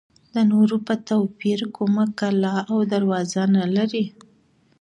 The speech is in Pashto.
د نورو په توپیر کومه کلا او دروازه نه لري.